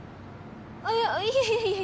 あっいやいえいえいえ。